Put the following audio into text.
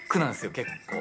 結構。